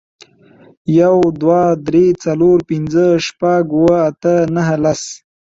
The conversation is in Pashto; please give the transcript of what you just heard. یو، دوه، درې، څلور، پنځه، شپږ، اوه، اته، نهه، لس.